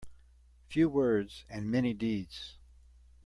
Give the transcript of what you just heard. Few words and many deeds.